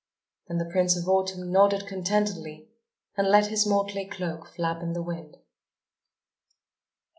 And the Prince of Autumn nodded contentedly and let his motley cloak flap in the wind.